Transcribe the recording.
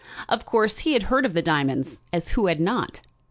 Of course, he had heard of the diamonds, as who had not?